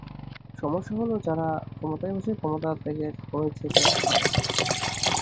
সমস্যা হলো, যারা ক্ষমতায় বসে, ক্ষমতা ত্যাগের কোনো ইচ্ছাই তাদের থাকে না।